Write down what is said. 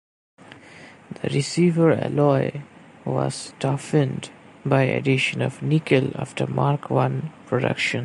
The receiver alloy was toughened by addition of nickel after Mark One production.